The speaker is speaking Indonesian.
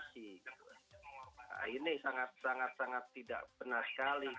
nah ini sangat sangat tidak benar sekali